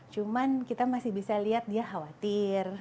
cuman kita masih bisa lihat dia khawatir